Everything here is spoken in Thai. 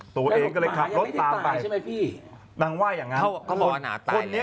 ตัวเองก็เลยขับรถตามไป